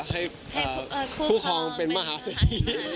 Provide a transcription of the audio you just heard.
ให้คู่ครองเป็นของคุณมาสเตผี